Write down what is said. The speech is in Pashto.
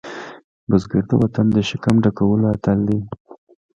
بزګر د وطن د شکم ډکولو اتل دی